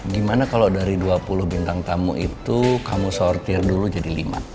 gimana kalau dari dua puluh bintang tamu itu kamu sortir dulu jadi lima